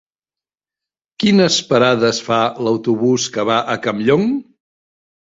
Quines parades fa l'autobús que va a Campllong?